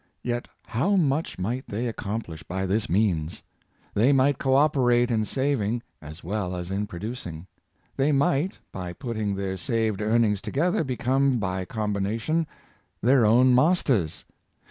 Yet how much might they ac complish by this means! They might co operate in saving as well as in producing. They might, by put ting their saved earnings together, become, by combina tion, their own masters.